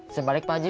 saya balik pak ji